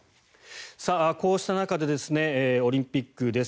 こうした中でオリンピックです。